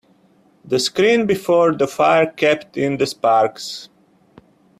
The screen before the fire kept in the sparks.